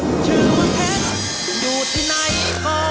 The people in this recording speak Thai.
ขึ้นชื่อเพชรอยู่ที่ในคอคือเพชร